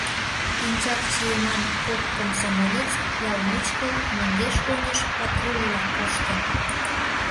Пинчак чиеман кок комсомолец ял мучко мӧҥгеш-оньыш патрульла коштын.